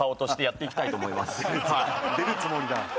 出るつもりだ。